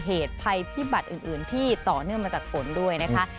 เหตุภัยพิบัติอื่นที่ต่อเนื่องมาจากฝนด้วยนะคะ